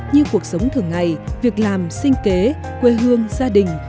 như cuộc sống thường ngày việc làm sinh kế quê hương gia đình